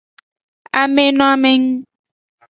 Amenoamengu.